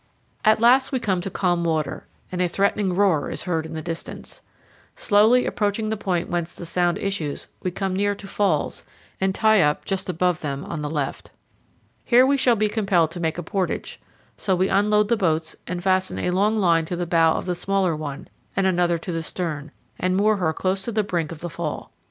At last we come to calm water, and a threatening roar is heard in the distance. Slowly approaching the point whence the sound issues, we come near to falls, and tie up just above them on the left. Here we shall be compelled to make a portage; so we unload the boats, 142 CANYONS OF THE COLORADO. powell canyons 97.jpg PRIMITIVE ANDIRON IN SHUMOPAVI. and fasten a long line to the bow of the smaller one, and another to the stern, and moor her close to the brink of the fall.